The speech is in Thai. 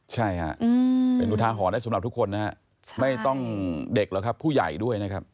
ใช่ค่ะเป็นอุทาหรณ์ได้สำหรับทุกคนนะฮะไม่ต้องเด็กหรอกครับผู้ใหญ่ด้วยนะครับ